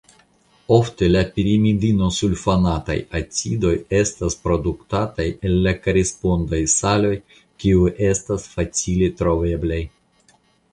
Ofte la pirimidinosulfonataj acidoj estas produktataj el la korespondaj saloj kiuj estas facile troveblaj.